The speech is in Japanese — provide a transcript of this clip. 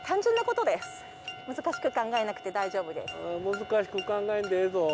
難しく考えんでええぞ。